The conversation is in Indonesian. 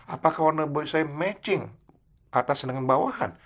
apakah warna baju saya menyesuaikan atas dengan bawahan